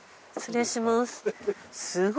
失礼します。